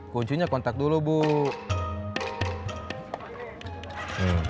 kuncinya kontak dulu bu